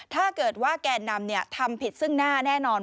ถ้าเกิดว่าแก่นำทำผิดซึ่งหน้าแน่นอน